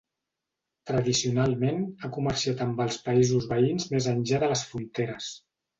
Tradicionalment, ha comerciat amb els països veïns més enllà de les fronteres.